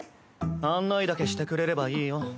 案内だけしてくれればいいよ。